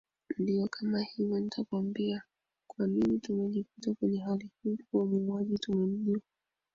ndiyo kama hivyo Nitakwambia kwa nini tumejikuta kwenye hali hii kuwa muuaji tumemjua